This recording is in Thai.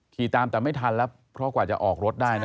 ขี่ตามแต่ไม่ทันแล้วเพราะกว่าจะออกรถได้นะ